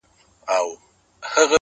حتمآ به ټول ورباندي وسوځيږي ـ